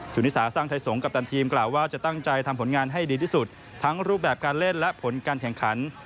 นิสาสร้างไทยสงกัปตันทีมกล่าวว่าจะตั้งใจทำผลงานให้ดีที่สุดทั้งรูปแบบการเล่นและผลการแข่งขัน